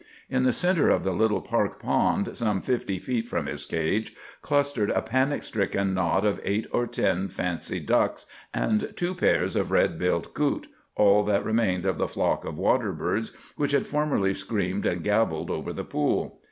In the centre of the little park pond, some fifty feet from his cage, clustered a panic stricken knot of eight or ten fancy ducks and two pairs of red billed coot, all that remained of the flock of water birds which had formerly screamed and gabbled over the pool.